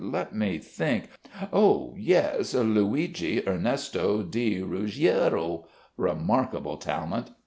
Let me think.... Oh, yes! Luigi Ernesto di Ruggiero.... Remarkable talent....